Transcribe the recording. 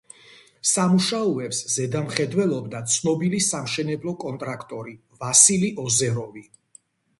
სამუშაოებს ზედამხედველობდა ცნობილი სამშენებლო კონტრაქტორი ვასილი ოზეროვი.